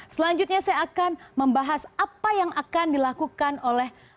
selanjutnya saya akan membahas apa yang akan dilakukan oleh